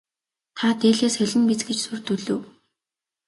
Та дээлээ солино биз гэж сүрдүүлэв.